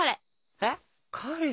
えっ？